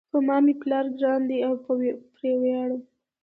په ما مېپلار ګران ده او پری ویاړم